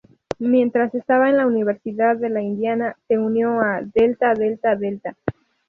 Mientras estaba en la Universidad de Indiana, se unió a Delta Delta Delta.